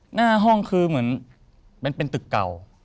หน้าห้องคือเหมือนมันเป็นตึกเก่า